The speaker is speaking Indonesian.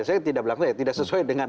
saya tidak bilang saya tidak sesuai dengan